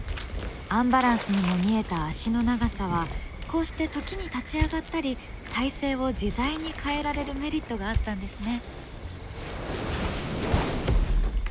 アンバランスにも見えた足の長さはこうして時に立ち上がったり体勢を自在に変えられるメリットがあったんですね。